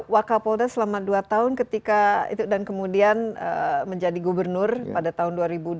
wakapolda selama dua tahun ketika itu dan kemudian menjadi gubernur pada tahun dua ribu dua belas